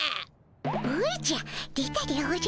おじゃ出たでおじゃる。